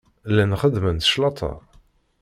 Llan xeddment claṭa.